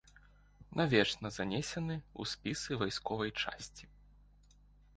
Навечна занесены ў спісы вайсковай часці.